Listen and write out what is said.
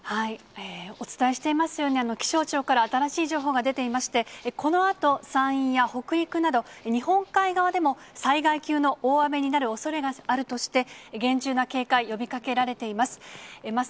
お伝えしていますように、気象庁から新しい情報が出ていまして、このあと、山陰や北陸など、日本海側でも、災害級の大雨になるおそれがあるとして、厳重な警戒、呼びかけられています。